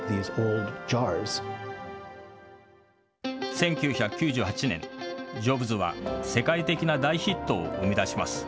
１９９８年、ジョブズは世界的な大ヒットを生み出します。